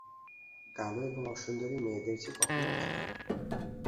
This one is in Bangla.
কালো এবং অসুন্দরী মেয়েদের জে কখনো থাকে না।